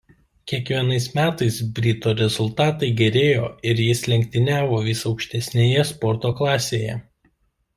Kiekvienais metais brito rezultatai gerėjo ir jis lenktyniavo vis aukštesnėje sporto klasėje.